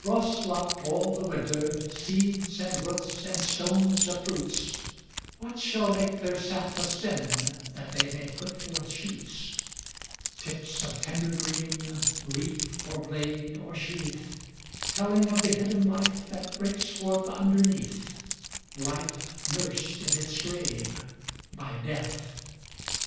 Frost locked all the winter, Seeds, and roots, and stones of fruits, What shall make their sap ascend That they may put forth shoots? Tips of tender green, Leaf, or blade, or sheath; Telling of the hidden life That breaks forth underneath, Life nursed in its grave by Death.